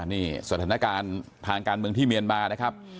นี่สถานการณ์ทางการเมืองที่เมียนมานะครับ